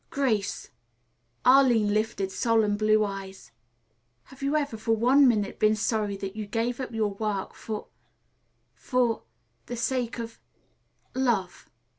"Grace," Arline lifted solemn blue eyes, "have you ever for one minute been sorry that you gave up your work for for the sake of love?"